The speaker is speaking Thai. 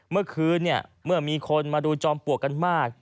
เมื่อคืนเมื่อมีคนมาดูจอมปลวกกันมาก